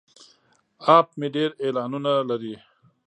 اپ مې ډیر اعلانونه لري.